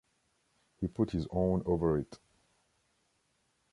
He put his own over it.